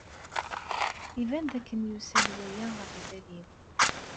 Iban dakken yusa-d waya ɣer lbal-iw.